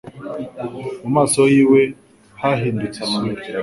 Mu maso hiwe hahindutse isura